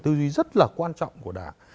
tư duy rất là quan trọng của đảng